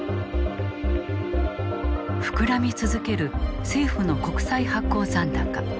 膨らみ続ける政府の国債発行残高。